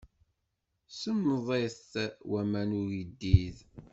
Semmḍit waman n uyeddid.